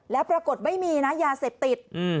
แล้วปรากฏไม่มีนะยาเสพติด